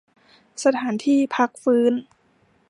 สถานที่พักฟื้น